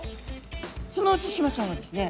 そのうちシマちゃんはですね